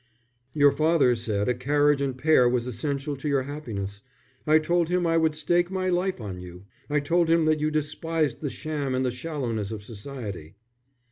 "Your father said a carriage and pair was essential to your happiness. I told him I would stake my life on you. I told him that you despised the sham and the shallowness of Society."